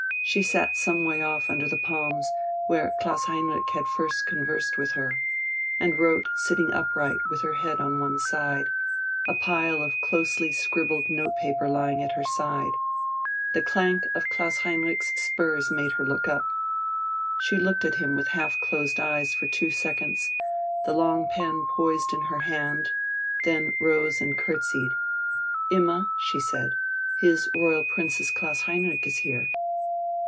She sat some way off under the palms, where Klaus Heinrich had first conversed with her, and wrote sitting upright with her head on one side, a pile of closely scribbled note paper lying at her side. The clank of Klaus Heinrich's spurs made her look up. She looked at him with half closed eyes for two seconds, the long pen poised in her hand, then rose and curtseyed. "Imma," she said, "his Royal Highness Prince Klaus Heinrich is here."